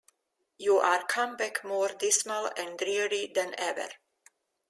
You are come back more dismal and dreary than ever.